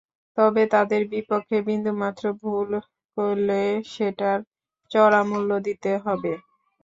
তবে তাদের বিপক্ষে বিন্দুমাত্র ভুল করলে সেটার চড়া মূল্য দিতে হবে।